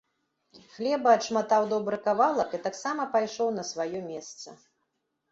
Хлеба адшматаў добры кавалак і таксама пайшоў на сваё месца.